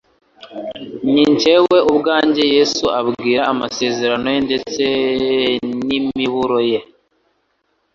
Ni njyewe ubwanjye Yesu abwira amasezerano ye ndetse n'imiburo ye.